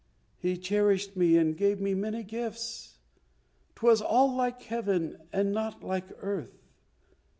He cherished me and gave me many gifts. 'Twas all like heaven and not like earth.